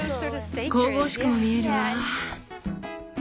神々しくも見えるわ。